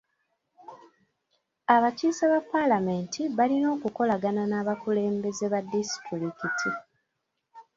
Abakiise ba palaamenti balina okukolagana n'abakulembeze ba disitulikiti.